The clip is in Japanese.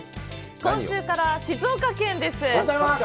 今週から静岡県です。